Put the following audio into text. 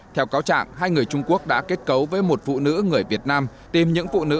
theo cáo trạng hai người trung quốc đã kết cấu với một phụ nữ người việt nam tìm những phụ nữ